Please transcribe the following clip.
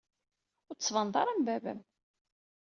Ur d-tettbaned ara am baba-m.